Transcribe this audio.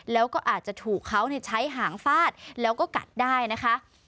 แล้วก็อาจจะถูกเขาใช้หางฟาดแล้วก็กัดได้นะคะ